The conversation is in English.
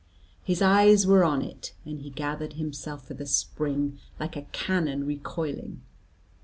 His eyes were on it, and he gathered himself for the spring like a cannon recoiling.